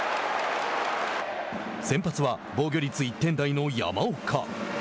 先発は防御率１点台の山岡。